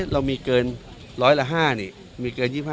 เรามีเกิน๑๐๐กรัมละ๕นี่